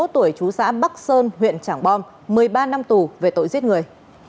hai mươi tuổi chú xã bắc sơn huyện trảng bom một mươi ba năm tù về tội giết người